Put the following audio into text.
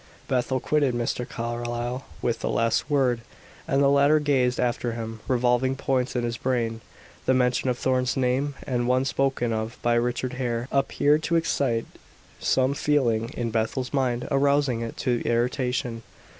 Bethel quitted Mr. Carlyle with the last word, and the latter gazed after him, revolving points in his brain. The mention of Thorn's name, the one spoken of by Richard Hare, appeared to excite some feeling in Bethel's mind, arousing it to irritation.